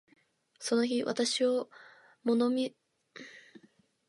その日、私を見物するために、十万人以上の人出があったということです。